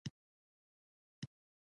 بودجه د عوایدو او مصارفو پلان دی